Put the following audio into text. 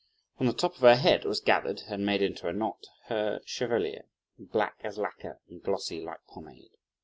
On the top of her head was gathered, and made into a knot, her chevelure, black as lacquer, and glossy like pomade.